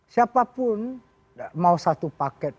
siapapun mau satu paket